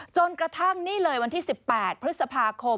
จนกระทั่งนี่เลยวันที่๑๘พฤษภาคม